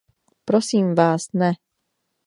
Prosím vás, ne.